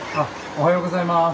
おはようございます。